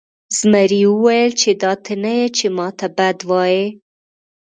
زمري وویل چې دا ته نه یې چې ما ته بد وایې.